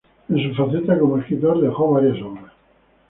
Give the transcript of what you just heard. En su faceta como escritor dejó varias obras.